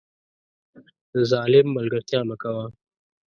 د ظالم ملګرتیا مه کوه